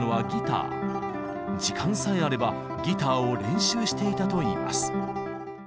時間さえあればギターを練習していたといいます。